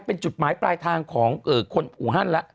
เป็นจุดหมายปลายทางของคนอูฮันแล้ว